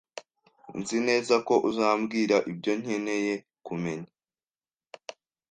Nzi neza ko uzambwira ibyo nkeneye kumenya